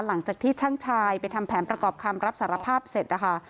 หลังจากที่ช่างชายไปทำแผนประกอบคำรับสารภาพเสร็จนะคะ